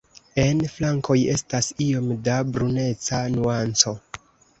En flankoj estas iom da bruneca nuanco.